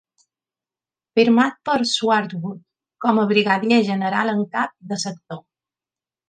Firmat per Swartwout com a Brigadier General en Cap de Sector.